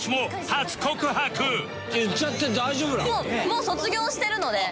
もう卒業してるので。